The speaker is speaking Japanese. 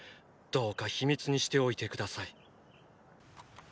どうか秘密にしておいて下さい。